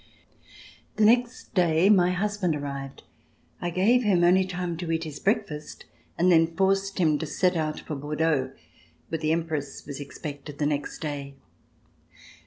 The next da}'^ my husband arrived. I gave him only time to eat his breakfast and then forced him to set out for Bordeaux, where the Empress was ex pected the next day.